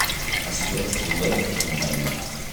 La sicurezza sul Web è fondamentale.